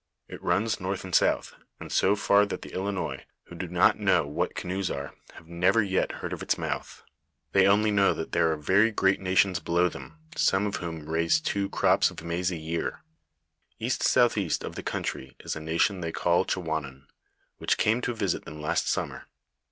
It runs north and south, and so far that the Ilinois, who do not know what canoes are, have never yet heard of its mouth ; they only know that there are '"5 *| Hi (ii 11 n Ivi LIFE OF FATHEB MABQUiTTE. very great nations below them, some of whon; raise two crops of maize a year. East south east of the country is a na tion they call Chawanon, which came to visit them last sum mer.